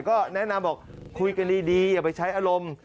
ก็แนะนำบอกคุยกันดีอย่าไปใช้อารมณ์